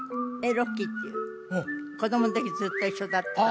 ロッキーっていううん子供のときずっと一緒だったああ